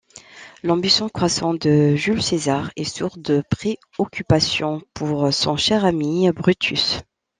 L'ambition croissante de Jules César est source de préoccupation pour son cher ami Brutus.